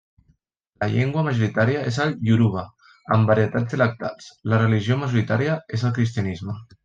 La llengua majoritària és el ioruba, amb varietats dialectals; la religió majoritària és el cristianisme.